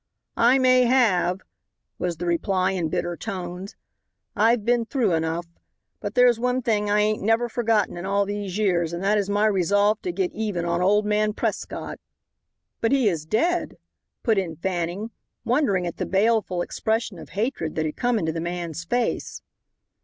"I may have," was the reply in bitter tones. "I've been through enough. But there's one thing I ain't never forgotten in all these years, and that is my resolve to get even on old man Prescott." "But he is dead," put in Fanning, wondering at the baleful expression of hatred that had come into the man's face.